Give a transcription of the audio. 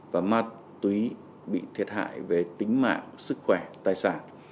và ma túy bị thiệt hại về tính mạng sức khỏe tài sản